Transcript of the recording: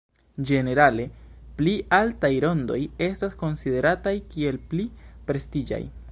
Ĝenerale pli altaj rondoj estas konsiderataj kiel pli prestiĝaj.